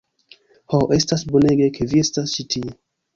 Ho, estas bonege ke vi estas ĉi tie.